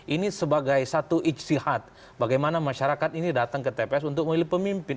ini sebagai satu ijtihad bagaimana masyarakat ini datang ke tps untuk memilih pemimpin